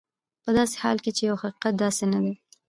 په داسې حال کې چې حقیقت داسې نه دی.